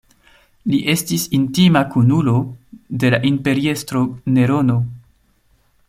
Li estis intima kunulo de la imperiestro Nerono.